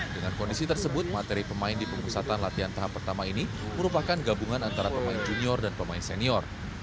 dengan kondisi tersebut materi pemain di pemusatan latihan tahap pertama ini merupakan gabungan antara pemain junior dan pemain senior